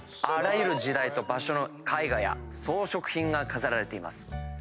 あらゆる時代と場所の絵画や装飾品が飾られています。